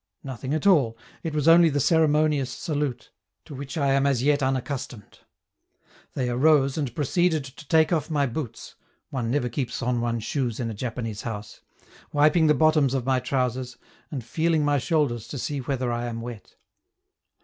Nothing at all, it was only the ceremonious salute, to which I am as yet unaccustomed. They arose, and proceeded to take off my boots (one never keeps on one's shoes in a Japanese house), wiping the bottoms of my trousers, and feeling my shoulders to see whether I am wet.